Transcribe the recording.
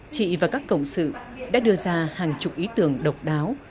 chị và các cộng sự đã đưa ra hàng chục ý tưởng độc đáo